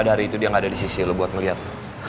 pada hari itu dia gak ada di sisi lu buat ngeliat lu